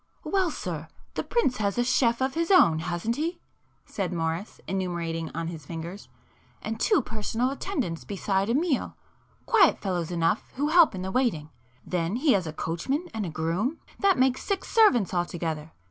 "Well sir, the prince has a chef of his own hasn't he?" said Morris enumerating on his fingers—"And two personal attendants besides Amiel,—quiet fellows enough who help in the waiting. Then he has a coachman and groom. That makes six servants altogether.